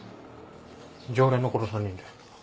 常連の子と３人で。